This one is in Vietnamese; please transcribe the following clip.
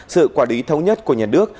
sự quả lý thống nhất của nhà nước